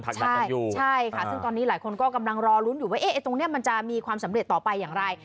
ใช่ค่ะซึ่งตอนนี้หลายคนก็กำลังรอลุ้นอยู่ว่าตรงนี้มันจะมีความสำเร็จต่อไปอย่างไร